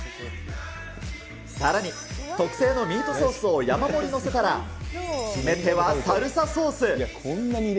さらに特製のミートソースを山盛り載せたら、決め手はサルサソース。